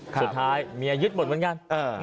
สุดท้ายเมียยึดหมดเหมือนกัน